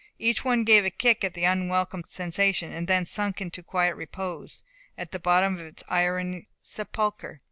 Each one gave a kick at the unwelcome sensation, and then sunk into quiet repose, at the bottom of its iron sepulchre.